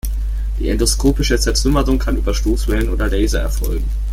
Die endoskopische Zertrümmerung kann über Stoßwellen oder Laser erfolgen.